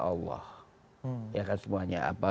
allah ya kan semuanya